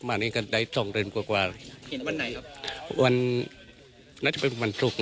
เห็นล่าสุดตอนไหนตอนเย็น